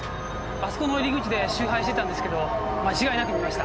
あそこの入り口で集配してたんですけど間違いなく見ました。